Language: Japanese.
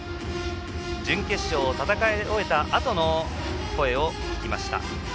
準決勝を戦い終えたあとの声を聞きました。